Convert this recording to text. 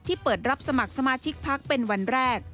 เปิดรับสมัครสมาชิกพักเป็นวันแรก